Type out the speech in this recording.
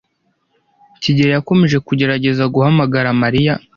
kigeli yakomeje kugerageza guhamagara Mariya,